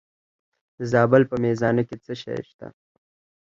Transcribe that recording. د زابل په میزانه کې څه شی شته؟